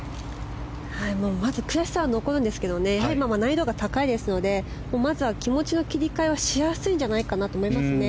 まず悔しさは残るんですがやはり難易度が高いのでまずは気持ちの切り替えはしやすいんじゃないかなと思いますね。